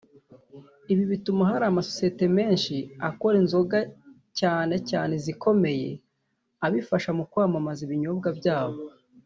Ibi bituma hari amasosiyete menshi akora inzoga cyane cyane izikomeye abifashisha mu kwamamaza ibinyobwa byabo